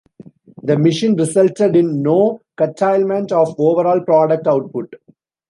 The mission resulted in "no curtailment of overall product output".